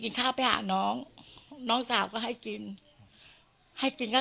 ก็ล่อไปไปตรงนี้บ้าง